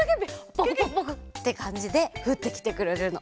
パクパクパクッ！ってかんじでふってきてくれるの。